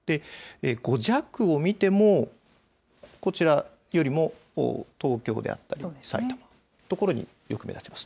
５弱を見ても、こちらよりも東京であったり、埼玉という所によく目立ちます。